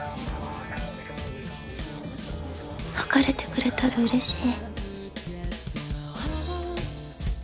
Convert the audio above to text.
別れてくれたらうれしい。